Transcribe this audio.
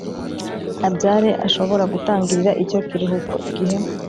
Abyare Ashobora Gutangirira Icyo Kiruhuko Igihe